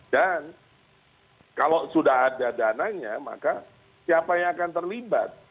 dan kalau sudah ada dananya maka siapa yang akan terlibat